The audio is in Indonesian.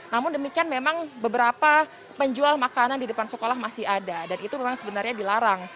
namun demikian memang beberapa penjual makanan di depan sekolah masih ada dan itu memang sebenarnya dilarang